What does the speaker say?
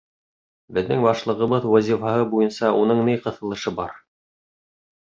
Беҙҙең башлығыбыҙ вазифаһы буйынса уның ни ҡыҫылышы бар?